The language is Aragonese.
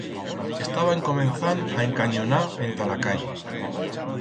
Estaba encomenzand a encanyonar enta la calle.